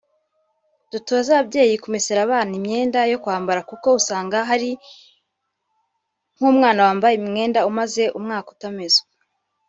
Dutoze ababyeyi kumesera abana imyenda yo kwambara kuko usanga hari nk’umwana wambaye umwenda umaze umwaka utameswa